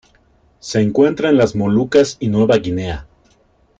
Se encuentra en las Molucas y Nueva Guinea.